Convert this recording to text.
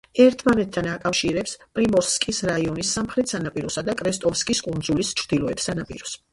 ერთმანეთთან აკავშირებს პრიმორსკის რაიონის სამხრეთ სანაპიროსა და კრესტოვსკის კუნძულის ჩრდილოეთ სანაპიროს.